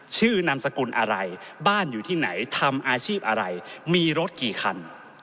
นามสกุลอะไรบ้านอยู่ที่ไหนทำอาชีพอะไรมีรถกี่คัน